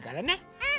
うん！